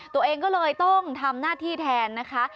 ตัวเองก็เลยต้องทำหน้าที่แทนนะคะ